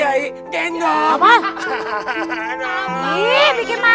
gai bikin malu